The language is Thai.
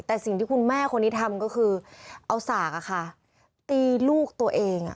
แต่สิ่งที่คุณแม่คนนี้ทำก็คือเอาสากตีลูกตัวเอง